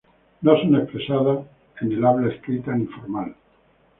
No son expresadas en el habla escrita ni formal.